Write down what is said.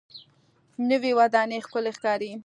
نوې ودانۍ ښکلې ښکاري